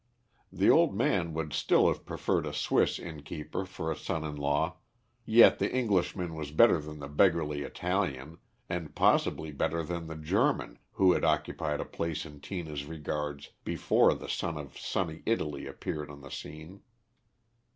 The old man would still have preferred a Swiss innkeeper for a son in law, yet the Englishman was better than the beggarly Italian, and possibly better than the German who had occupied a place in Tina's regards before the son of sunny Italy appeared on the scene.